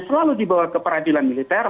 selalu dibawa ke peradilan militer